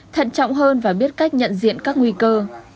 thận trọng hơn và biết cách nhận diện các nguy cơ